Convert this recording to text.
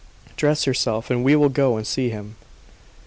Dress yourself, and we will go and see him."